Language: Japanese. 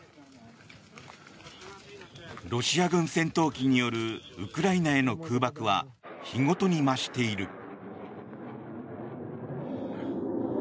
ロシア軍戦闘機によるウクライナへの空爆は日ごとに増している。